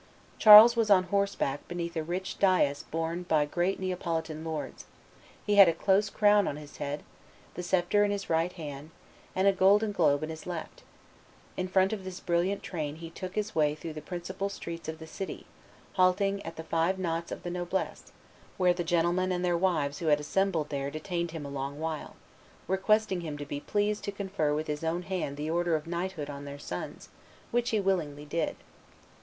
Charles was on horseback beneath a rich dais borne by great Neapolitan lords; he had a close crown on his head, the sceptre in his right hand, and a golden globe in his left; in front of this brilliant train he took his way through the principal streets of the city, halting at the five knots of the noblesse, where the gentlemen and their wives who had assembled there detained him a long while, requesting him to be pleased to confer with his own hand the order of knighthood on their sons, which he willingly did.